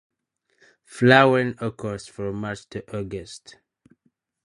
Flowering occurs from March to August.